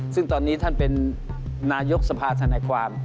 ซึ่งตอนนี้ท่านเป็นนายกสภาธนาความ